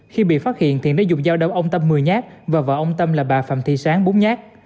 khi bị phát hiện thiện đã dùng dao đâm ông tâm một mươi nhát và vợ ông tâm là bà phạm thị sáng búng nhát